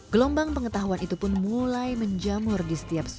gelombang pengetahuan itu pun mulai menjamur di setiap sudut